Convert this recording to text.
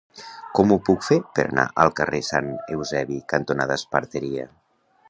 Com ho puc fer per anar al carrer Sant Eusebi cantonada Esparteria?